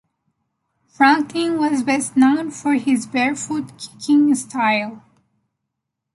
Franklin was best known for his barefoot kicking style.